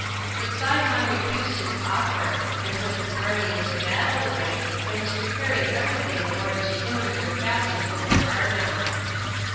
But Sihon refused his offer, and put his army into battle array, and was preparing every thing in order to hinder their passing over Arnon.